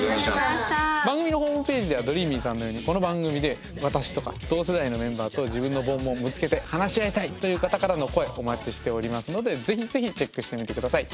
番組のホームページではどりーみぃさんのようにこの番組で私とか同世代のメンバーと自分のモンモンぶつけて話し合いたいという方からの声お待ちしておりますのでぜひぜひチェックしてみて下さい。